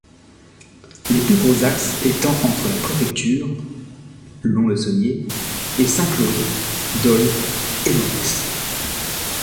Les plus gros axes étant entre la préfecture, Lons-le-Saunier, et Saint-Claude, Dole et Morez.